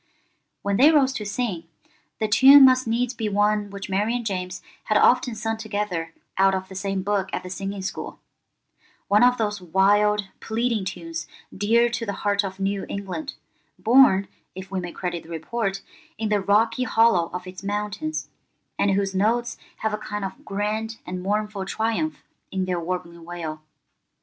When they rose to sing, the tune must needs be one which Mary and James had often sung together out of the same book at the singing school—one of those wild, pleading tunes dear to the heart of New England, born, if we may credit the report, in the rocky hollow of its mountains, and whose notes have a kind of grand and mournful triumph in their warbling wail.